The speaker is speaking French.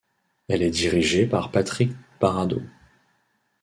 Elle est dirigée par Patrick Baradeau.